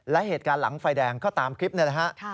และเหตุการณ์หลังไฟแดงก็ตามคลิปนี่แหละฮะ